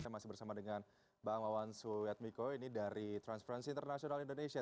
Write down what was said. saya masih bersama dengan bang mawansu yadmiko ini dari transparency international indonesia